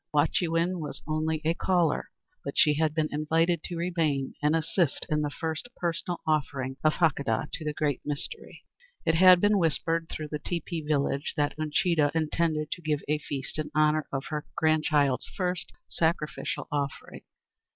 Wahchewin was only a caller, but she had been invited to remain and assist in the first personal offering of Hakadah to the "Great Mystery." It had been whispered through the teepee village that Uncheedah intended to give a feast in honor of her grandchild's first sacrificial offering.